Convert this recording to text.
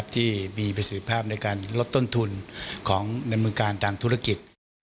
ที่มีประสิทธิภาพในการลดต้นทุนของธุรกิจ